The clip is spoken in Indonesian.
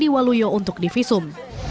diwalui untuk divisum